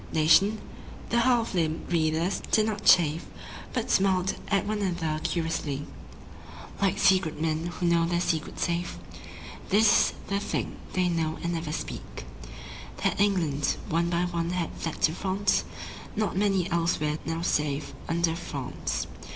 Nation? The half limbed readers did not chafe But smiled at one another curiously Like secret men who know their secret safe. This is the thing they know and never speak, That England one by one had fled to France (Not many elsewhere now save under France).